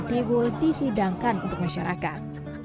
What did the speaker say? tihul dihidangkan untuk masyarakat